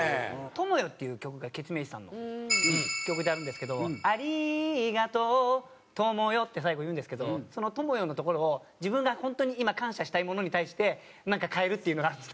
『友よ』っていう曲がケツメイシさんの曲であるんですけど「ありがとう友よ」って最後言うんですけどその「友よ」のところを自分が本当に今感謝したいものに対して替えるっていうのがあって。